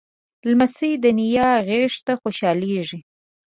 لمسی د نیا غېږ ته خوشحالېږي.